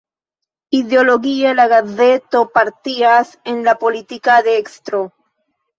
Ideologie la gazeto partias en la politika dekstro.